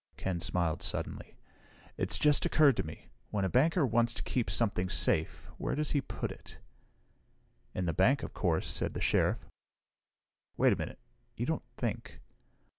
Ken smiled suddenly. "It just occurred to me when a banker wants to keep something safe, where does he put it?" "In the bank, of course," said the Sheriff. "Wait a minute, you don't think...."